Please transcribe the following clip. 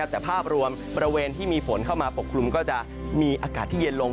แต่ภาพรวมบริเวณที่มีฝนเข้ามาปกคลุมก็จะมีอากาศที่เย็นลง